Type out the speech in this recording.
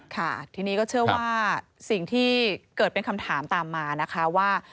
ค่ะทีนี้ก็เชื่อว่าสิ่งที่เกิดเป็นคำถามตามมานะคะว่า